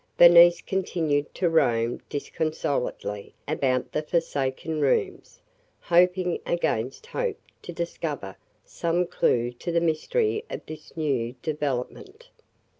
Bernice continued to roam disconsolately about the forsaken rooms, hoping against hope to discover some clue to the mystery of this new development.